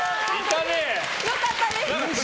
良かったです！